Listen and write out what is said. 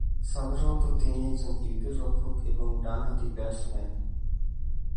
সাধারণত তিনি একজন উইকেট-রক্ষক এবং ডানহাতি ব্যাটসম্যান।